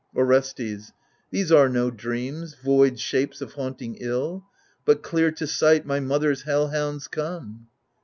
Orestes These are no dreams, void shapes of haunting ill. But clear to sight my mother's hell hounds come